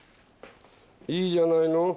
いいじゃないの！